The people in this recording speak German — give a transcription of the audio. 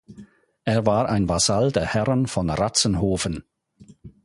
Er war ein Vasall der Herren von Ratzenhofen.